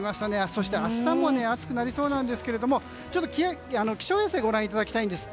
そして明日も暑くなりそうなんですけど気象衛星をご覧いただきたいんです。